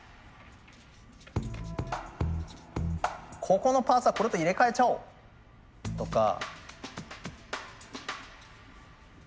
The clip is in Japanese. ここのパーツはこれと入れ替えちゃおうとか。